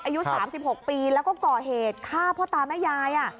อายุ๓๖ปีแล้วก็ก่อเหตุฆ่าพ่อตาแม่ยาย